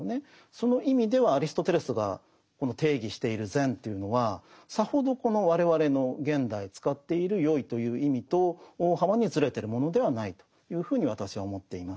その意味ではアリストテレスがこの定義している善というのはさほどこの我々の現代使っているよいという意味と大幅にずれてるものではないというふうに私は思っています。